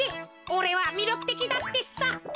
おれはみりょくてきだってさ。